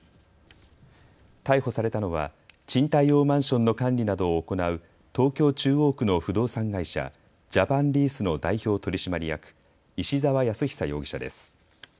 逮捕されたのは賃貸用マンションの管理などを行う東京中央区の不動産会社、ジャパンリースの代表取締役、石澤靖久容疑者です。